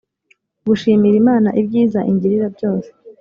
gushimira imana ibyiza ingirira byose